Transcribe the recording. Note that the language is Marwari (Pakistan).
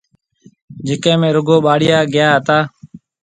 جڪَي ۾ رُگو ٻاليان گيا ھتا۔